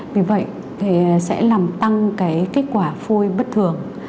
vì vậy sẽ làm tăng kết quả phôi bất thường